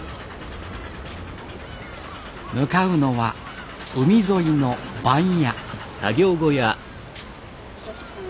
向かうのは海沿いの番屋。